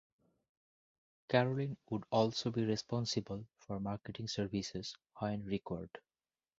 Caroline would also be responsible for marketing services when required.